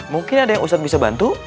mungkin ada yang ustadz bisa bantu